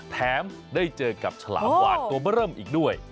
แถมได้เจอกับฉลามวานตัวเบอร์เริ่มอีกด้วย